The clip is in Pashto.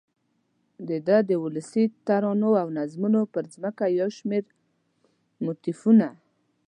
دده د ولسي ترانو او نظمونو پر ځمکه یو شمېر موتیفونه